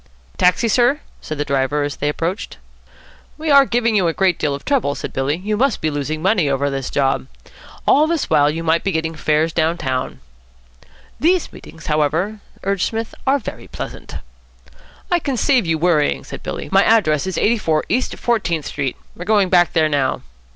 "Taxi, sir?" said the driver, as they approached. "We are giving you a great deal of trouble," said Billy. "You must be losing money over this job. All this while you might be getting fares down town." "These meetings, however," urged Psmith, "are very pleasant." "I can save you worrying," said Billy. "My address is 84 East Fourteenth Street. We are going back there now."